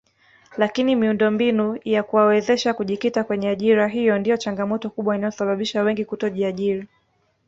Lakini miundombinu ya kuwawezesha kujikita kwenye ajira hiyo ndio changamoto kubwa inayosababisha wengi kutojiajiri